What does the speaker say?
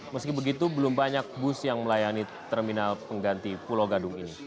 meski begitu belum banyak bus yang melayani terminal pengganti pulau gadung ini